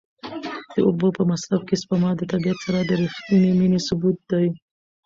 د اوبو په مصرف کې سپما د طبیعت سره د رښتینې مینې ثبوت دی.